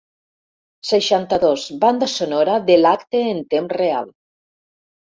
Seixanta-dos banda sonora de l'acte en temps real.